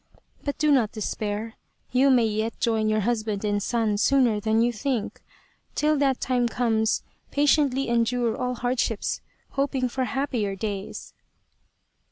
But do not despair ! You may yet join 181 Loyal, Even Unto Death your husband and son sooner than you think. Till that time comes patiently endure all hardships, hoping for happier days."